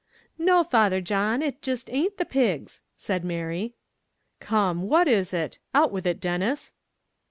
"No, Father John, it jist a'nt the pigs," said Mary. "Come, what is it? out with it Denis."